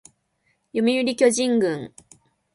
読売巨人軍